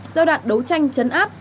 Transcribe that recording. giao đoạn đấu tranh chấn áp